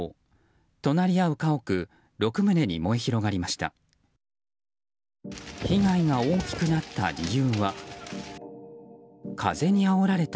隣り合う家屋６棟に燃え広がりました。